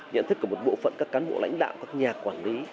nhận thức của một bộ phận các cán bộ lãnh đạo các nhà quản lý